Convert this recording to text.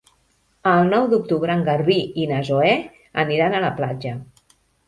El nou d'octubre en Garbí i na Zoè aniran a la platja.